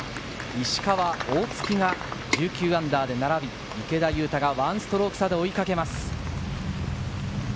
石川、大槻が−１９で並び、池田勇太が１ストローク差で追いかけます。